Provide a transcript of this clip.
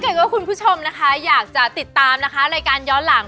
เห็นว่าคุณผู้ชมนะคะอยากจะติดตามนะคะรายการย้อนหลัง